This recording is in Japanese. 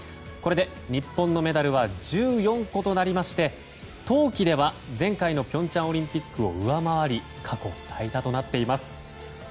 これで日本のメダルは１４個となりまして冬季では前回の平昌オリンピックを上回り過去最多となっています。